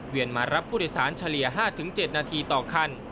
มารับผู้โดยสารเฉลี่ย๕๗นาทีต่อคัน